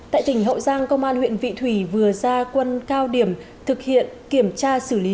tại tỉnh hậu giang công an huyện vị thủy vừa ra quân cao điểm thực hiện kiểm tra xử lý